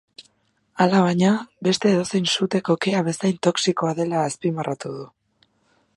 Alabaina, beste edozein suteko kea bezain toxikoa dela azpimarratu du.